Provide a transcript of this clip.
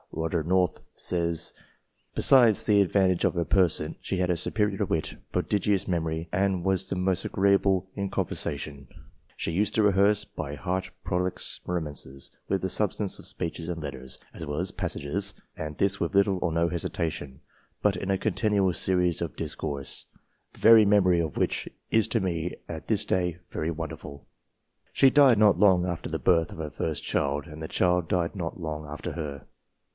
Roger North says " Besides the advantage of her person, she had a superior wit, prodigious memory, and was most agreeable in con versation." She used to rehearse " by heart prolix romances, with the substance of speeches and letters, as well as passages ; and this with little or no hesitation, but in a continual series of discourse the very memory of which is to me at this day very wonderful." She died not long after the birth of her first child, and the child died not long after her.